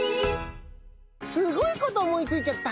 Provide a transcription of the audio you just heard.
すごいことおもいついちゃった！